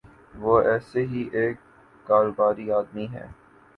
وہ ایسے ہی ایک کاروباری آدمی ہیں۔